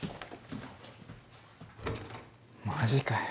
マジかよ。